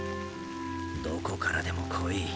どこからでも来い。